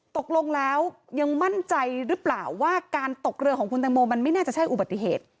ตกลงแล้วยังมั่นใจหรือเปล่าว่าการตกเรือของคุณตังโมมันไม่น่าจะใช่อุบัติเหตุ